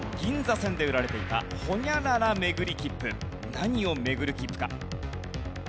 何を巡る切符か？